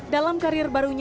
dalam karir barunya